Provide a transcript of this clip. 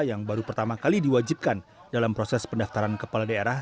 yang baru pertama kali diwajibkan dalam proses pendaftaran kepala daerah